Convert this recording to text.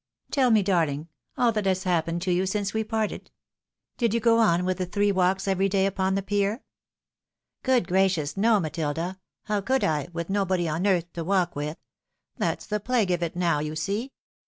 Tell me, darling, aU that has happened to you since we parted. Did you go on with the three walks everyday upon the pier ?"" Good gracious ! no, Matilda. How could I, with nobody PLAN FOE ACCOMMODATION". 223 on earth to walk witli? That's the plague of it now, you see.